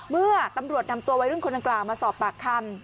เมื่อตำรวจนำตัววัยรุ่นคนดังกล่าวมาสอบปากคำ